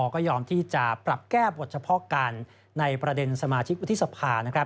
ก็ยอมที่จะปรับแก้บทเฉพาะการในประเด็นสมาชิกวุฒิสภา